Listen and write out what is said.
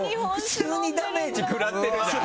急にダメージ食らってんじゃん。